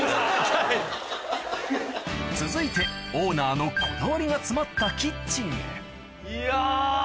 続いてオーナーのこだわりが詰まったキッチンへいや。